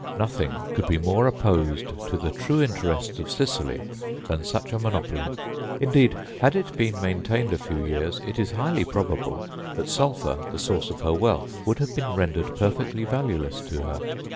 Nothing could be more opposed to the true interests of Sicily than such a monopoly; indeed, had it been maintained a few years, it is highly probable that sulphur, the source of her wealth, would have been rendered perfectly valueless to her.